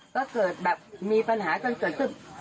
ก็เกิดแบบมีปัญหากันเกิดขึ้น